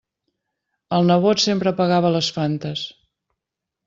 El nebot sempre pagava les Fantes.